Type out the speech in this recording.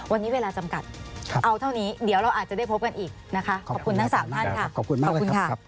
วันนี้เวลาจำกัดเอาเท่านี้เดี๋ยวเราอาจจะได้พบกันอีกนะคะ